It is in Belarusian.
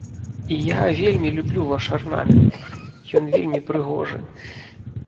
І я вельмі люблю ваш арнамент, ён вельмі прыгожы!